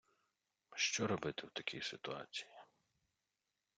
Що робити в такій ситуації?